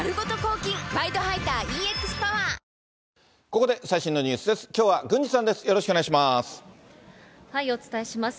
ここで最新のニュースです。